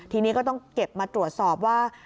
ทีนี้ก็ต้องเก็บมาตรวจสอบว่า